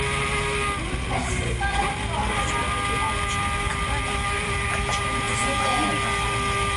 Գլխուղեղը փոքր է, վերջույթների առաջին մատը հակադրված չէ մյուս մատներին։